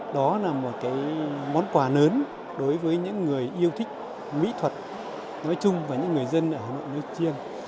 đó là một món quà lớn đối với những người yêu thích mỹ thuật nói chung và những người dân ở hà nội nói riêng